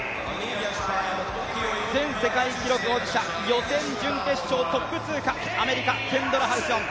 前世界記録保持者、予選、準決勝トップ通過、アメリカ、ケンドラ・ハリソン。